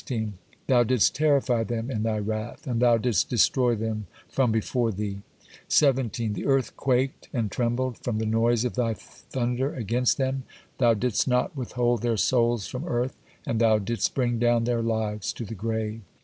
Thou didst terrify them in Thy wrath, and thou didst destroy them from before Thee. 17. The earth quaked and trembled from the noise of Thy thunder against them; Thou didst not withhold their souls from earth, and Thou didst bring down their lives to the grave.